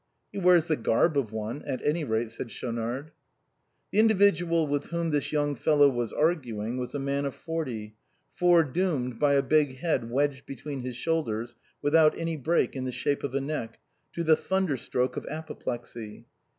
" He wears the garb of one, at any rate," said Schaunard. The individual with whom this young fellow was argu ing was a man of forty, foredoomed, by a big head wedged between his shoulders without any break in the shape of a HOW THE BOHEMIAN CLUB WAS FORMED. 23 neck, to the thunderstroke of apoplexy.